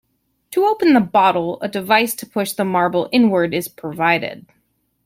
To open the bottle, a device to push the marble inward is provided.